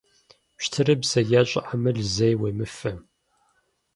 Пщтырыбзэ е щӀыӀэмыл зэи уемыфэ.